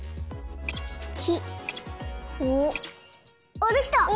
あっできた！